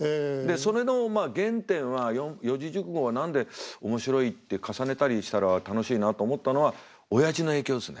それのまあ原点は四字熟語は何で面白いって重ねたりしたら楽しいなと思ったのはおやじの影響ですね。